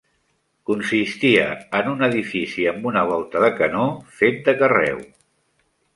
Consistia en un edifici amb una volta de canó fet de carreu.